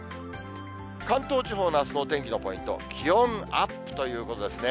関東地方のあすのお天気のポイント、気温アップということですね。